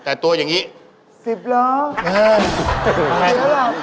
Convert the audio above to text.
แต่ตัวอย่างนี้สิบเหรอ